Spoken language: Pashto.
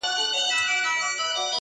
توره مي تر خپلو گوتو وزي خو.